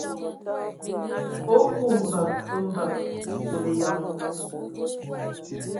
O ku mbǝg mbǝg ! Zulǝyan.